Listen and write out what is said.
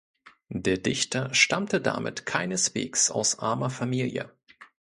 Der Dichter stammte damit keineswegs aus armer Familie.